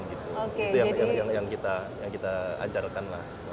itu yang kita ajarkan lah